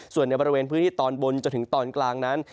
ส่วนในบริเวณพื้นที่ตอนบนจนถึงตอนกลางนั้น